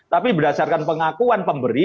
tapi berdasarkan pengakuan pemberi